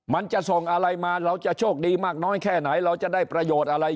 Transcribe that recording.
มันจะส่งอะไรมาเราจะโชคดีมากน้อยแค่ไหนเราจะได้ประโยชน์อะไร